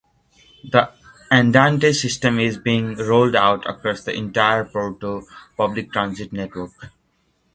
The Andante system is being rolled out across the entire Porto public transit network.